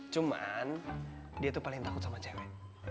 cuman dia tuh paling tahu sama cewek